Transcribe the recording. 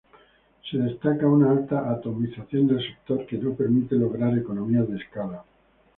Se destaca una alta atomización del sector que no permite lograr economías de escala.